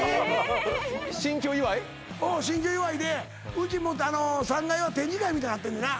新居祝いでうちもう３階は展示会みたいになってんねな